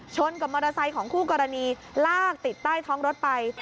กับมอเตอร์ไซค์ของคู่กรณีลากติดใต้ท้องรถไป